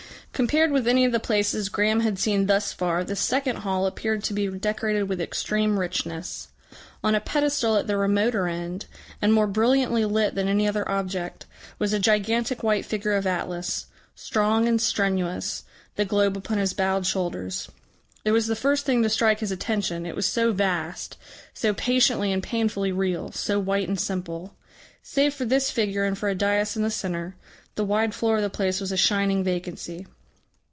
Compared with any of the places Graham had seen thus far, this second hall appeared to be decorated with extreme richness. On a pedestal at the remoter end, and more brilliantly lit than any other object, was a gigantic white figure of Atlas, strong and strenuous, the globe upon his bowed shoulders. It was the first thing to strike his attention, it was so vast, so patiently and painfully real, so white and simple. Save for this figure and for a dais in the centre, the wide floor of the place was a shining vacancy.